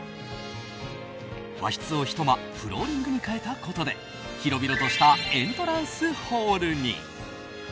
和室を１間フローリングに変えたことで広々としたエントランスホールに。